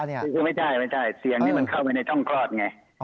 ไม่ใช่เสี่ยงนี้มันเข้าไปในช่องคลอดไง